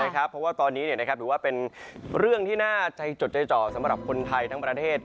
เพราะว่าตอนนี้ถือว่าเป็นเรื่องที่น่าใจจดใจจ่อสำหรับคนไทยทั้งประเทศ